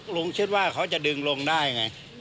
หลุงชื่นว่าเขาจะดึงลงได้ไง